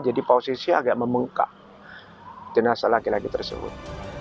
jadi posisi agak membengkak jenazah laki laki tersebut